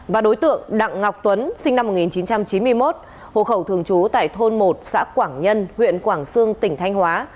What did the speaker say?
và đối tượng đặng ngọc tuấn sinh năm một nghìn chín trăm chín mươi một hộ khẩu thường trú tại thôn một xã quảng nhân huyện quảng sương tỉnh thanh hóa